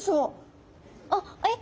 あっえっ？